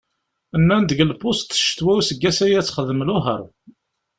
Nnan-d deg lpuṣt ccetwa useggas-ayi ad texdem luheṛ.